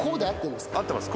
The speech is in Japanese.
合ってます。